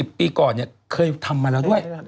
ปีก่อนเนี่ยเคยทำมาแล้วด้วย